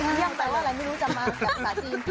อืมยังไปแล้วอะไรไม่รู้จำมาภาษาจีน